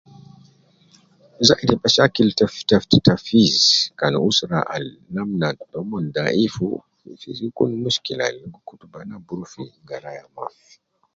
Zaidi mashakil taf taf tafis kan usra al namna dayifu ,fi gi kun mushkila wu gi kutu banaa ke gi ruwa fi garaya mafi